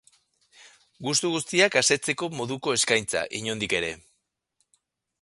Gustu guztiak asetzeko moduko eskaintza, inondik ere.